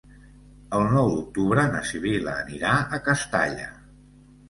El nou d'octubre na Sibil·la anirà a Castalla.